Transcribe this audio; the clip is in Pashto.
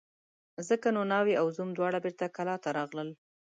ځکه نو ناوې او زوم دواړه بېرته کلاه ته راغلل.